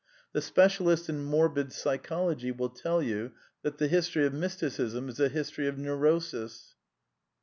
The specialist in morbid psychology will tell you that the history of Mysticism is a history of neu rosis.